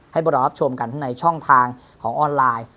ให้บรรดารับชมกันทั้งในช่องทางของออนไลน์